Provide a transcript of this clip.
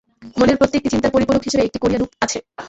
মনের প্রত্যেকটি চিন্তার পরিপূরক হিসাবে একটি করিয়া রূপ আছে।